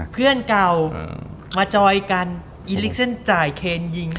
เพื่อนเก่ามาจอยกันอีลิกเส้นจ่ายเคนยิง